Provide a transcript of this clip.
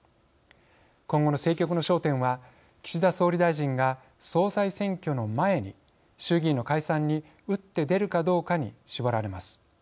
今後の政局の焦点は岸田総理大臣が総裁選挙の前に衆議院の解散に打って出るかどうかに絞られます。